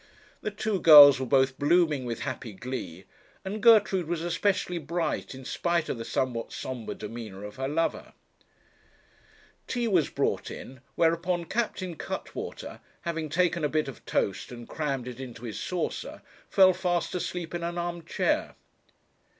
The two girls were both blooming with happy glee, and Gertrude was especially bright in spite of the somewhat sombre demeanour of her lover. Tea was brought in, whereupon Captain Cuttwater, having taken a bit of toast and crammed it into his saucer, fell fast asleep in an arm chair.